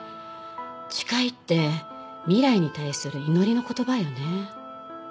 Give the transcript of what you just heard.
誓いって未来に対する祈りの言葉よね。